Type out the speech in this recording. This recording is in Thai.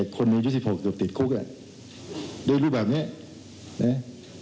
เด็กคน๖๕อยู่ติดคุกอ่ะได้รู้แบบเนี่ยนะฮะ